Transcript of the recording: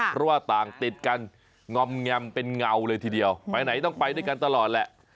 เพราะว่าต่างติดกันงอมแงมเป็นเงาเลยทีเดียวไปไหนต้องไปด้วยกันตลอดแหละ